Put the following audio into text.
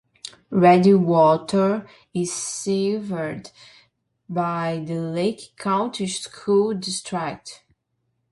Redwater is served by the Leake County School District.